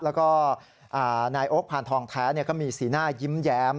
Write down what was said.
แล้วก็นายโอ๊คพานทองแท้ก็มีสีหน้ายิ้มแย้ม